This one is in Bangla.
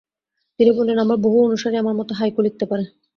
তিনি বলেন,"আমার বহু অনুসারী আমার মতো হাইকু লিখতে পারে।